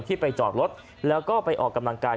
ไปจอดรถแล้วก็ไปออกกำลังกาย